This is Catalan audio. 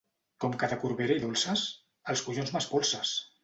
Com que de Corbera i dolces? Els collons m'espolses!